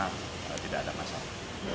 tidak ada masalah